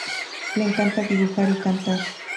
Le encanta dibujar y cantar.